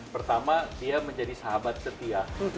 pertama dia menjadi sahabat setia